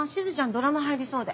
ドラマ入りそうで。